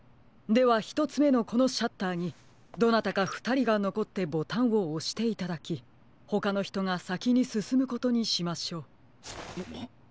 ではひとつめのこのシャッターにどなたかふたりがのこってボタンをおしていただきほかのひとがさきにすすむことにしましょう。